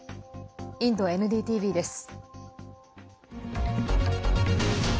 インドＮＤＴＶです。